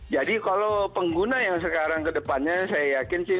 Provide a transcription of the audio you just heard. jadi kalau pengguna yang sekarang ke depannya saya yakin sih